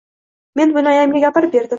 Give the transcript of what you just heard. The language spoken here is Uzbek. Men buni ayamga gapirib berdim.